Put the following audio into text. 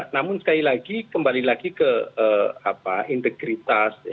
namun sekali lagi kembali lagi ke integritas